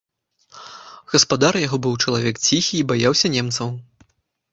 Гаспадар яго быў чалавек ціхі і баяўся немцаў.